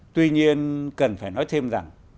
tuy nhiên cần phải nói thêm rằng